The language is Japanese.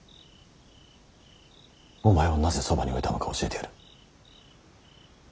お前をなぜそばに置いたのか教えてやる。